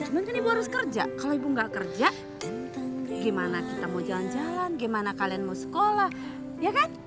mungkin ibu harus kerja kalau ibu nggak kerja gimana kita mau jalan jalan gimana kalian mau sekolah ya kan